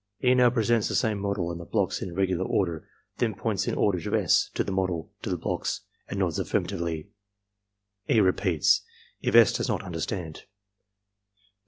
E. now presents the same model and the blocks in irregular order, then points in order to S., to the model, to the blocks, and nods afiirmatively. E. repeats, if S. does not understand.